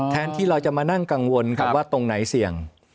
ที่เราจะมานั่งกังวลครับว่าตรงไหนเสี่ยง